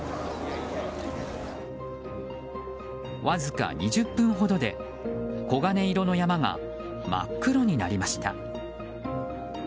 わずか２０分ほどで黄金色の山が真っ黒になりました。